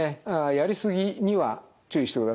やりすぎには注意してください。